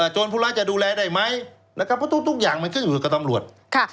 ผู้ร้ายจะดูแลได้ไหมนะครับเพราะทุกอย่างมันขึ้นอยู่กับตำรวจ